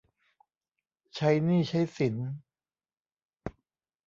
ใช้หนี้ใช้สิน